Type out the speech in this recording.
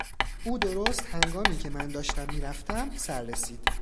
او درست هنگامی که من داشتم میرفتم سررسید.